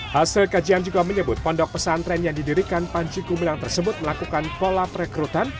hasil kajian juga menyebut pondok pesantren yang didirikan panji gumilang tersebut melakukan pola perekrutan